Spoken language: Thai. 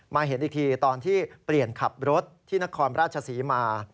เห็นอีกทีตอนที่เปลี่ยนขับรถที่นครราชศรีมา